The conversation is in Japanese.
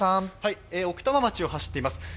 奥多摩町を走っています。